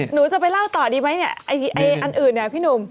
หนูจะไปเล่าต่อดีไหมพี่หนุ่ม